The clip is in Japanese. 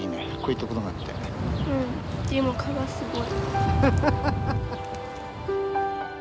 うんでも蚊がすごい。